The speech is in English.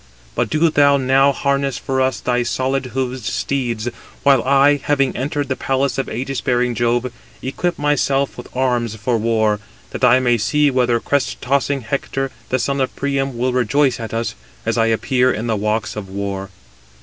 But do thou now harness for us thy solid hoofed steeds, while I, having entered the palace of ægis bearing Jove, equip myself with arms for war, that I may see whether crest tossing Hector, the son of Priam, will rejoice at us, as I appear in the walks 283 of war.